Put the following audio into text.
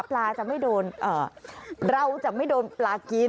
ปลาจะไม่โดนเราจะไม่โดนปลากิน